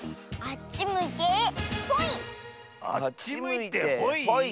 あっちむいてほい？